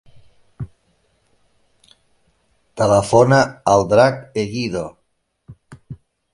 Telefona al Drac Egido.